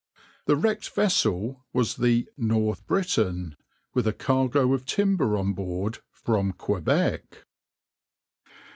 The wrecked vessel was the {\itshape{North Britain}}, with a cargo of timber on board from Quebec."